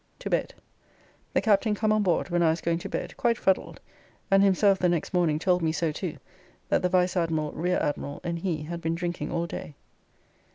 To bed. The Captain come on board, when I was going to bed, quite fuddled; and himself the next morning told me so too, that the Vice Admiral, Rear Admiral, and he had been drinking all day.